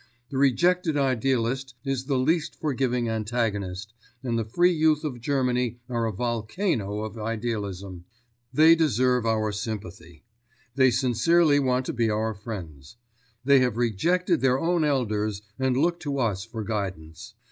The rejected idealist is the least forgiving antagonist and the Free Youth of Germany are a volcano of idealism. They deserve our sympathy. They sincerely want to be our friends. They have rejected their own elders and look to us for guidance.